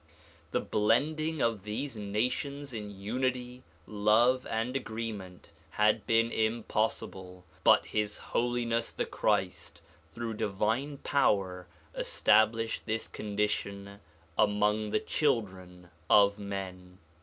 The blending of these nations in unity, love and agreement had been impossible, but His Holiness the Christ through divine power established this condition among the children of men.